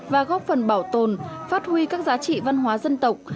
và góp phần bảo tồn phát huy các giá trị văn hóa dân tộc